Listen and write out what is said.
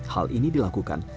hal ini dilakukan